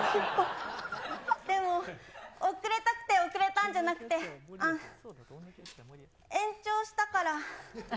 でも、遅れたくて遅れたんじゃなくて、延長したから。